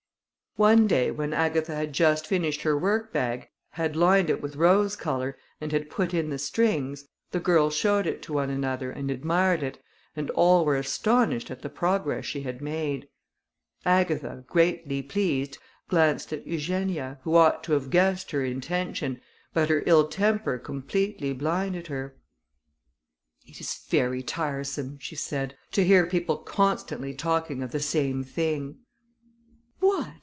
One day when Agatha had just finished her work bag, had lined it with rose colour, and had put in the strings, the girls showed it to one another, and admired it, and all were astonished at the progress she had made. Agatha, greatly pleased, glanced at Eugenia, who ought to have guessed her intention, but her ill temper completely blinded her. "It is very tiresome," she said, "to hear people constantly talking of the same thing." "What!"